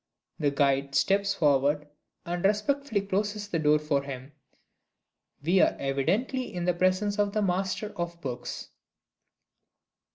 The guide steps forward, and respectfully closes the door for him. We are evidently in the presence of The Master of Books!